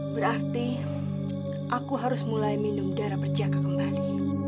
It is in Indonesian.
berarti aku harus mulai minum darah berjaga kembali